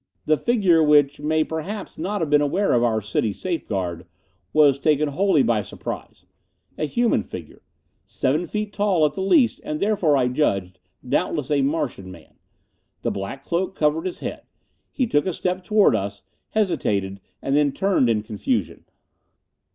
The figure, which may perhaps not have been aware of our city safeguard, was taken wholly by surprise. A human figure. Seven feet tall, at the least, and therefore, I judged, doubtless a Martian man. The black cloak covered his head. He took a step toward us, hesitated, and then turned in confusion.